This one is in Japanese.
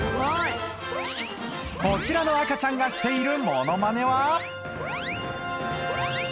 こちらの赤ちゃんがしているモノマネは？